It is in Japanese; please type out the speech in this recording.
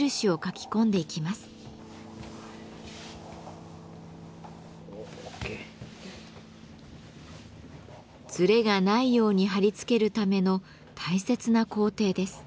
ずれがないように貼り付けるための大切な工程です。